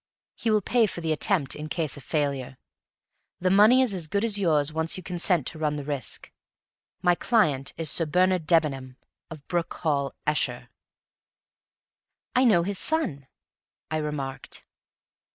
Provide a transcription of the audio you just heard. He will pay for the attempt, in case of failure; the money is as good as yours once you consent to run the risk. My client is Sir Bernard Debenham, of Broom Hall, Esher." "I know his son," I remarked.